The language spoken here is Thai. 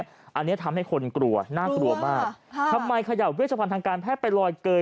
อันนี้ทำให้คนกลัวน่ากลัวมากทำไมเขย่าเวชพันธ์ทางการแพทย์ไปลอยเกย